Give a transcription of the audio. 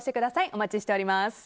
お待ちしております。